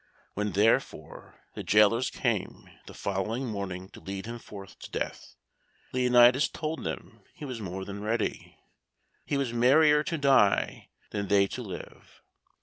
When, therefore, the gaolers came the following morning to lead him forth to death, Leonatus told them he was more than ready he was merrier to die than they to live.